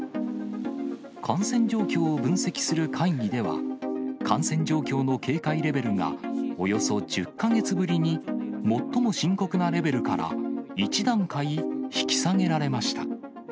感染状況を分析する会議では、感染状況の警戒レベルがおよそ１０か月ぶりに最も深刻なレベルから、１段階引き下げられました。